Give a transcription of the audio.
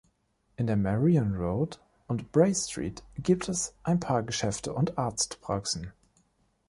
In der Marion Road und Bray Street gibt es ein paar Geschäfte und Arztpraxen.